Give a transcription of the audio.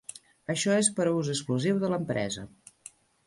Això és per a ús exclusiu de l'empresa.